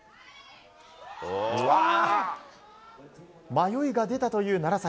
迷いが出たという楢崎。